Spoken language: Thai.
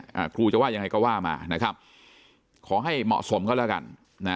อ่าครูจะว่ายังไงก็ว่ามานะครับขอให้เหมาะสมก็แล้วกันนะ